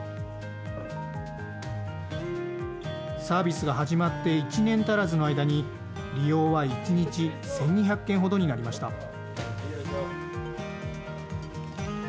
サービスが始まって１年足らずの間に利用は１日１２００件ほどになりました。